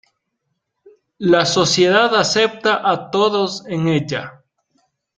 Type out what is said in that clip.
La sociedad acepta a todos en ella.